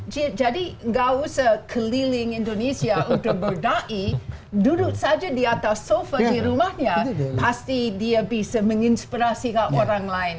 jadi tidak usah keliling indonesia untuk berdai duduk saja di atas sofa di rumahnya pasti dia bisa menginspirasi orang lain